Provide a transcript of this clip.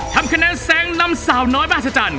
ทำคะแนนแซงนำสาวน้อยมหัศจรรย